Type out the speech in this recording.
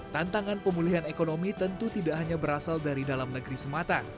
tantangan pemulihan ekonomi tentu tidak hanya berasal dari dalam negeri semata